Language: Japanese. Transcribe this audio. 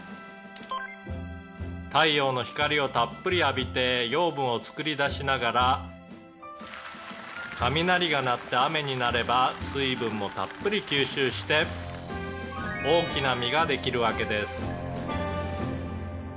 「太陽の光をたっぷり浴びて養分を作り出しながら雷が鳴って雨になれば水分もたっぷり吸収して大きな実ができるわけです」